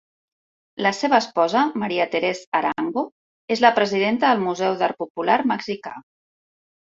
La seva esposa, Marie-Therese Arango, es la presidenta del Museu d'Art Popular Mexicà.